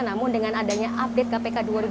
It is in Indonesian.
namun dengan adanya update kpk dua ribu dua puluh